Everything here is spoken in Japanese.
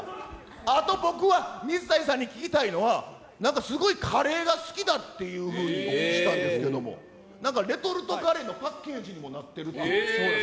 あと、僕は水谷さんに聞きたいのは、なんかすごいカレーが好きだっていうふうにお聞きしたんですけれども、なんかレトルトカレーのパッケージにもなってるって。